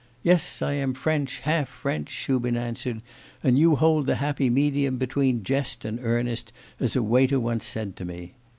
'Yes, I am French, half French,' Shubin answered, 'and you hold the happy medium between jest and earnest, as a waiter once said to me.